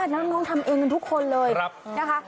แล้วน้องทำเองกันทุกคนเลยนะคะ